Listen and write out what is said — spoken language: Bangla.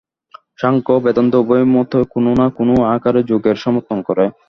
সাংখ্য ও বেদান্ত উভয় মতই কোন-না-কোন আকারে যোগের সমর্থন করে।